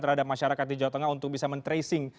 terhadap masyarakat di jawa tengah untuk bisa men tracing